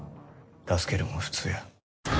助けるんは普通や。